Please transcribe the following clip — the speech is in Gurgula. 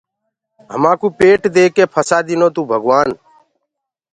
همآنڪو پيٽ ديڪي ڦسآ دينو توڀگوآن